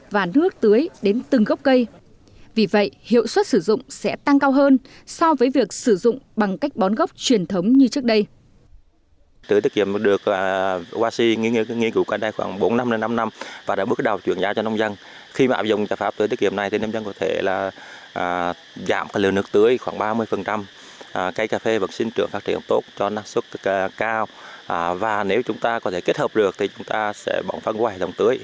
và nước tưới đến từng góc cây vì vậy hiệu suất sử dụng sẽ tăng cao hơn so với việc sử dụng bằng cách bón góc truyền thống như trước đây